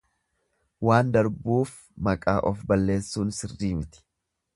Waan darbuuf maqaa of balleessuun sirrii miti.